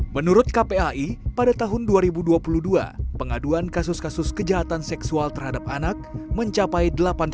menurut kpai pada tahun dua ribu dua puluh dua pengaduan kasus kasus kejahatan seksual terhadap anak mencapai